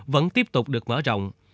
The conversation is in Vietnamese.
vẫn tiếp tục được mở rộng